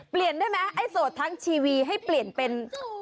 เปลี่ยนได้มั้ยไอ้โสดทั้งชีวีให้เปลี่ยนเป็น